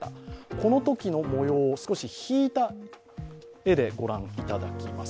このときの模様を少し引いた絵で御覧いただきます。